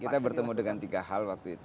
kita bertemu dengan tiga hal waktu itu